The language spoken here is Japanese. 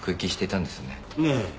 ええ。